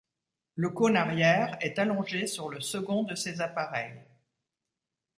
Le cône arrière est allongé sur le second de ces appareils.